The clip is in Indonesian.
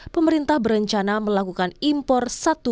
pemerintah berencana melakukan impor